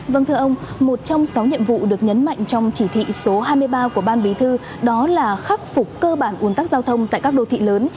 vâng thưa ông một trong sáu nhiệm vụ được nhấn mạnh trong chỉ thị số hai mươi ba của ban bí thư đó là khắc phục cơ bản ủn tắc giao thông tại các đô thị lớn